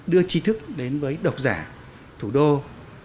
đưa chi thức đến với các nhà sách các đơn vị sách các đơn vị sách